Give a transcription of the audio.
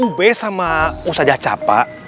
ube sama ustazah capa